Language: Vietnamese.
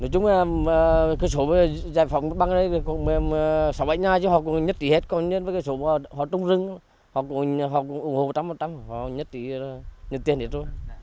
cái số giải phóng bằng này còn sáu bảy nhà chứ họ cũng nhất trí hết còn những số họ trung rừng họ cũng ủng hộ một trăm linh họ nhất trí nhận tiền hết rồi